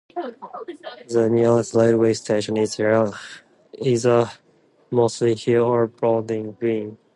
The nearest railway station is either Mossley Hill or Broadgreen.